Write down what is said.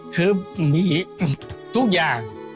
คือมีทุกอย่าง